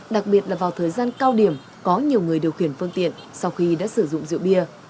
đặc biệt là vào thời gian cao điểm có nhiều người điều khiển phương tiện sau khi đã sử dụng rượu bia